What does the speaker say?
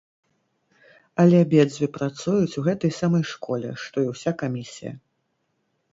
Але абедзве працуюць у гэтай самай школе, што і ўся камісія.